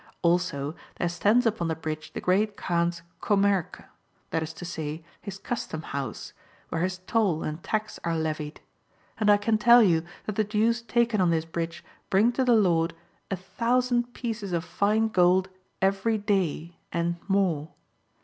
Also there stands upon the bridge the Great Kaan's Co mercque, that is to say, his custom house, where his toll and tax are levied.^ And I can tell you that the dues taken on this bridge bring to the Lord a thousand pieces of fine gold every day and more.